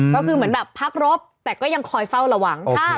ก็คือเหมือนแบบพักรบแต่ก็ยังคอยเฝ้าระวัง